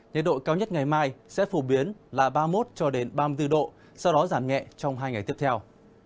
nhật độ cao nhất ngày mai sẽ phổ biến là ba mươi một ba mươi bốn độ sau đó giảm nhẹ trong hai ngày tiếp theo